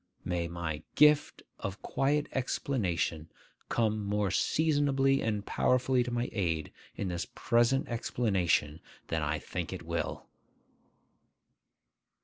May my 'gift of quiet explanation' come more seasonably and powerfully to my aid in this present explanation than I think it will!